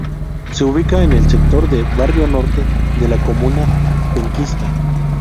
Se ubica en el sector de Barrio Norte de la comuna penquista.